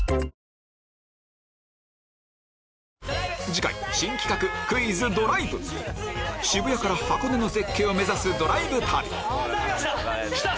次回新企画クイズ・ドライブ渋谷から箱根の絶景を目指すドライブ旅来た！